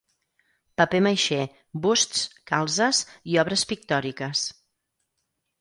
Paper maixé, busts, calzes i obres pictòriques.